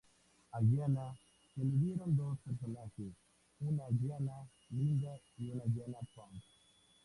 A Giana se le dieron dos personajes, una Giana "linda" y una Giana "punk".